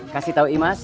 kasih tau imas